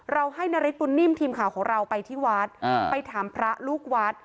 ให้นาริสบุญนิ่มทีมข่าวของเราไปที่วัดไปถามพระลูกวัด